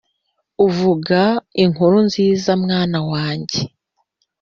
Uvuga inkuru nziza mwana wanjye